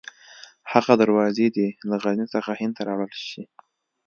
هغه دروازې دې له غزني څخه هند ته راوړل شي.